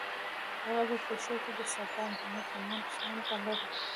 د قبر پښو ته د سردار محمد زمان خان قبر دی.